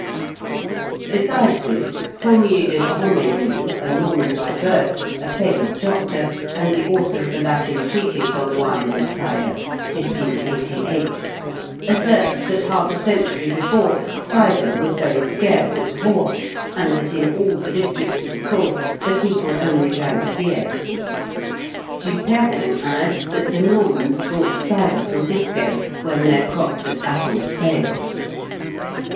Besides this, Paulmier de Grandmesnil, a Norman by birth, a famous doctor, and the author of a Latin treatise on wine and cider (1588), asserts that half a century before, cider was very scarce at Rouen, and that in all the districts of Caux the people only drank beer. Duperron adds that the Normans brought cider from Biscay, when their crops of apples failed.